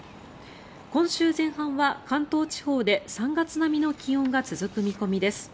今週前半は関東地方で３月並みの気温が続く見込みです。